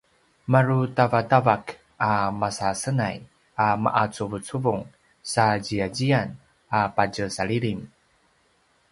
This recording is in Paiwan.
parutavatavak a masasenay a ma’acuvucuvung sa ziyaziyan a patjesalilim